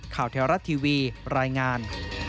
แถวรัฐทีวีรายงาน